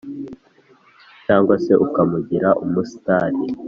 Cg se ukamugira umusitari